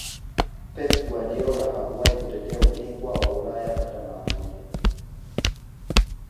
Pep Guardiola hakuwahi kutetea ubingwa wa Ulaya hata mara moja